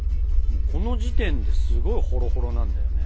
この時点ですごいホロホロなんだよね。